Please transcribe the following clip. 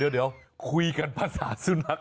เดี๋ยวคุยกันภาษาสุนัข